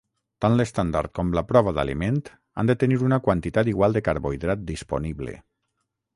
Tant l'estàndard com la prova d'aliment han de tenir una quantitat igual de carbohidrat disponible.